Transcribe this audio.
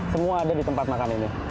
semua ada di tempat makan ini